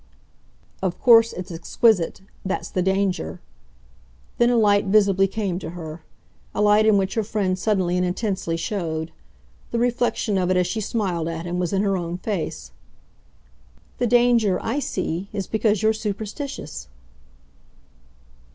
"Of course it's exquisite. That's the danger." Then a light visibly came to her a light in which her friend suddenly and intensely showed. The reflection of it, as she smiled at him, was in her own face. "The danger I see is because you're superstitious."